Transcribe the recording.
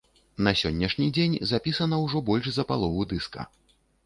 На сённяшні дзень запісана ўжо больш за палову дыска.